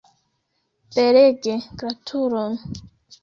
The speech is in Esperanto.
Belege, gratulon!